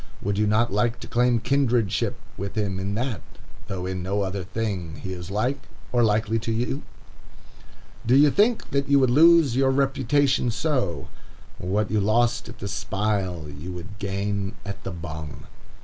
Would you not like to claim kindredship with him in that, though in no other thing he is like, or likely, to you? Do you think that you would lose your reputation so? What you lost at the spile, you would gain at the bung.